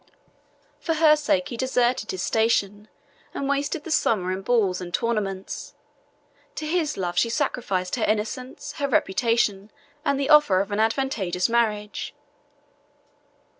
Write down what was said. For her sake he deserted his station, and wasted the summer in balls and tournaments: to his love she sacrificed her innocence, her reputation, and the offer of an advantageous marriage.